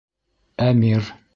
Әмир